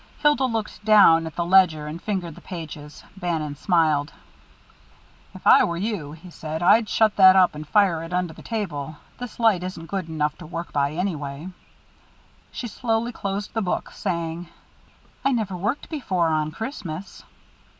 Hilda looked down at the ledger, and fingered the pages. Bannon smiled. "If I were you," he said, "I'd shut that up and fire it under the table. This light isn't good enough to work by, anyway." She slowly closed the book, saying: "I never worked before on Christmas."